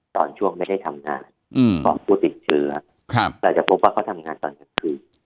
ตอนช่วงไม่ได้ทำงานของผู้ติดเชื้อเราจะพบว่าเขาทำงานตอนกลางคืน